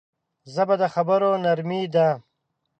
ژبه د خبرو نرمي ده